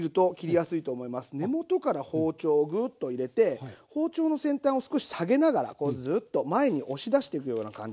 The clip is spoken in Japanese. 根元から包丁をグーッと入れて包丁の先端を少し下げながらこうズーッと前に押し出してくような感じ。